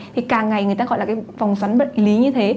thì càng ngày người ta gọi là cái vòng xoắn bệnh lý như thế